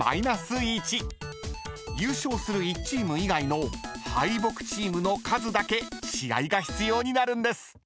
［優勝する１チーム以外の敗北チームの数だけ試合が必要になるんです］